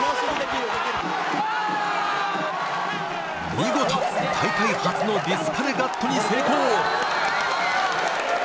見事大会初のディスカレガットに成功！